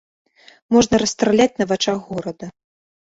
Можна расстраляць на вачах горада.